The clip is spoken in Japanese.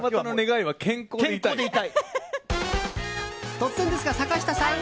突然ですが、坂下さん